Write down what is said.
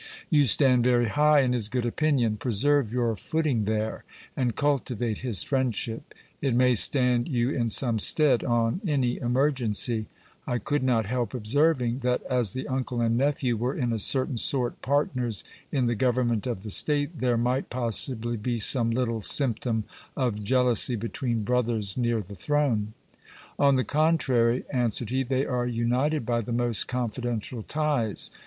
You stand very high in his good opinion ; preserve your footing there, and cul tivate his friendship ; it may stand you in some stead on any emergency. I could not help observing, that as the uncle and nephew were in a certain sort partners in the government of the state, there might possibly be some little symptom of jealousy between brothers near the throne. On the contrary, answered he, they are united by the most confidential ties.